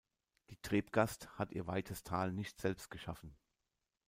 Die Trebgast hat ihr weites Tal nicht selbst geschaffen.